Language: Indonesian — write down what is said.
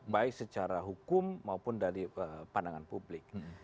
baik secara hukum maupun dari pandangan publik